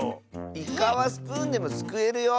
イカはスプーンでもすくえるよ。